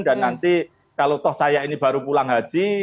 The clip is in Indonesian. dan nanti kalau toh saya ini baru pulang haji